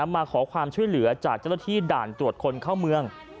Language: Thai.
มาขอความช่วยเหลือจากเจ้าหน้าที่ด่านตรวจคนเข้าเมือง